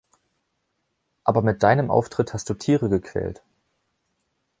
Aber mit deinem Auftritt hast du Tiere gequält.